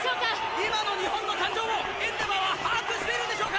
今の日本の惨状をエンデヴァーは把握しているんでしょうか？